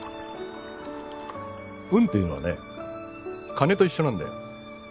運っていうのはね金と一緒なんだよ。